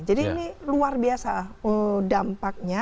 jadi ini luar biasa dampaknya